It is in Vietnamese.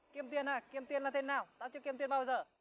kiếm tiền à kiếm tiền là thế nào tao chưa kiếm tiền bao giờ